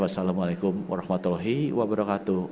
wassalamu alaikum warahmatullahi wabarakatuh